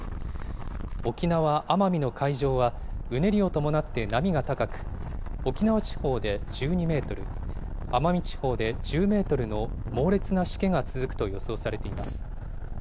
沖縄・奄美の海上はうねりを伴って波が高く、沖縄地方で１２メートル、奄美地方で１０メートルの猛烈なしけが続くと予想されています。